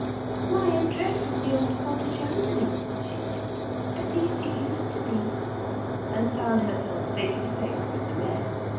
'My address is The Old Cottage, Amberley,' she said, 'at least it used to be' and found herself face to face with the Mayor.